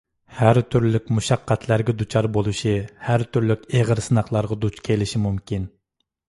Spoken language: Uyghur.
ھەر تۈرلۈك مۇشەققەتلەرگە دۇچار بولۇشى، ھەر تۈرلۈك ئېغىر سىناقلارغا دۇچ كېلىشى مۇمكىن.